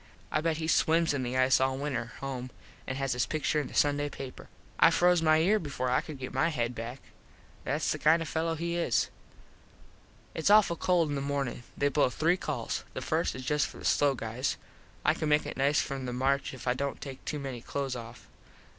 I bet he swims in the ice all winter home and has his pictur in the Sunday paper. I froze my ear before I could get my head back. Thats the kind of a fello he is. Its awful cold in the mornin. They blow three calls. The first is just for the slow guys. I can make it nice from the march if I dont take too many close off.